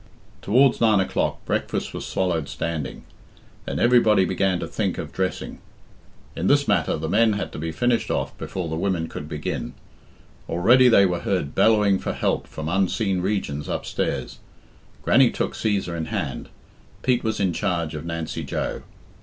Towards nine o'clock breakfast was swallowed standing. Then everybody began to think of dressing. In this matter the men had to be finished off before the women could begin. Already they were heard bellowing for help from unseen regions upstairs. Grannie took Cæsar in hand. Pete was in charge of Nancy Joe.